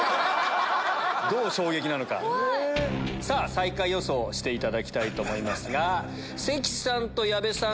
最下位予想していただきたいと思います。